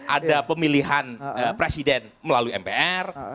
ada pemilihan presiden melalui mpr